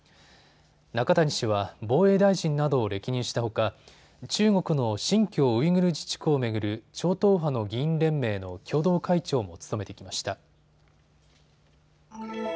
中谷氏は防衛大臣などを歴任したほか中国の新疆ウイグル自治区を巡る超党派の議員連盟の共同会長も務めてきました。